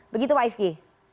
begitu pak ifki